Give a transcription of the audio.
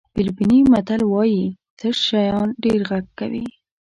فلیپیني متل وایي تش شیان ډېر غږ کوي.